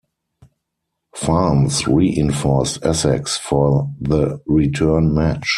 Farnes reinforced Essex for the return match.